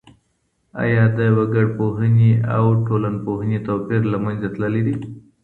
آیا د وګړپوهني او ټولنپوهني توپیر له منځه تللی دی؟